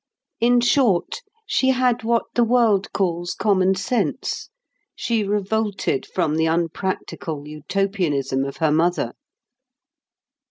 In short, she had what the world calls common sense: she revolted from the unpractical Utopianism of her mother.